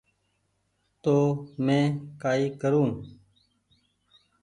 تونٚ مينٚ ڪآئي ڪرون